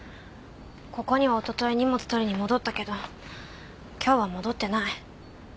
ここにはおととい荷物取りに戻ったけど今日は戻ってない。